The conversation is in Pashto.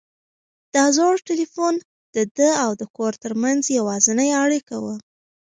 دا زوړ تلیفون د ده او د کور تر منځ یوازینۍ اړیکه وه.